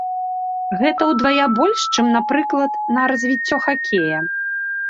Гэта ўдвая больш, чым, напрыклад, на развіццё хакея.